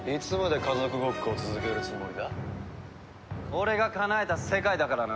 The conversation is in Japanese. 俺がかなえた世界だからな。